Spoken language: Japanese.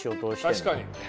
確かに。